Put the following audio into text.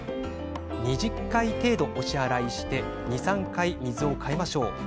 ２０回程度、押し洗いして２、３回、水を替えましょう。